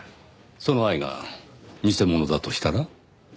その愛が偽物だとしたら？